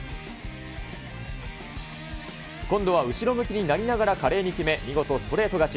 今度は後ろ向きになりながら華麗に決め、見事ストレート勝ち。